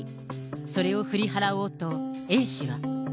それを振り払おうと、Ａ氏は。